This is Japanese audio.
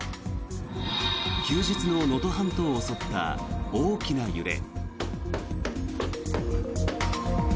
休日の能登半島を襲った大きな揺れ。